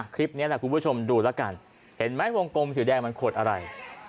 คลิปนี้คุณผู้ชมดูแล้วกันเห็นไหมวงกลมมือถือแดงมันขดอะไร